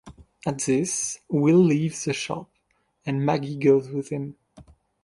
At this, Will leaves the shop, and Maggie goes with him.